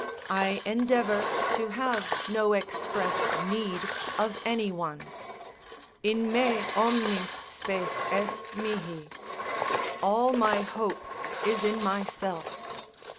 I endeavour to have no express need of any one: "In me omnis spec est mihi." ["All my hope is in myself."